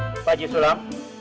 pak haji sulam